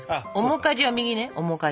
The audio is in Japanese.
面かじは右ね。